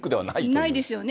ないですよね。